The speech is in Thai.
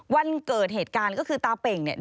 วันเกิดเหตุการณ์ก็คือตาเป่งเนี่ย